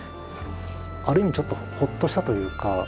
ある意味ちょっとホッとしたというか。